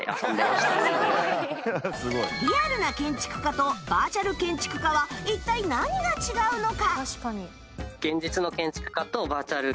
リアルな建築家とバーチャル建築家は一体何が違うのか？